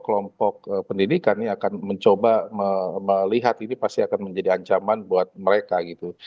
kelompok pendidikan yang akan mencoba melihat ini pasti akan menjadi ancaman buat mereka gitu